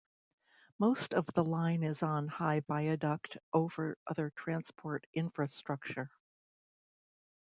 Most of the line is on high viaduct over other transport infrastructure.